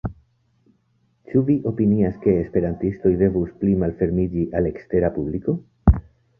Ĉu vi opinias ke esperantistoj devus pli malfermiĝi al ekstera publiko?